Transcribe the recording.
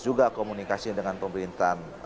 juga komunikasi dengan pemerintahan